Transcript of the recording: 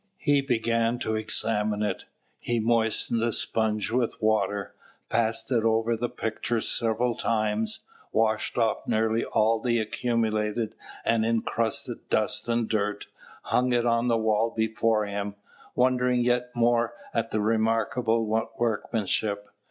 He began to examine it. He moistened a sponge with water, passed it over the picture several times, washed off nearly all the accumulated and incrusted dust and dirt, hung it on the wall before him, wondering yet more at the remarkable workmanship.